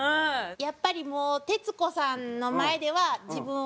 やっぱりもう徹子さんの前では自分を抑えて。